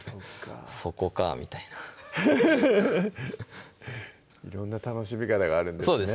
そこかみたいなフフフフッ色んな楽しみ方があるんですね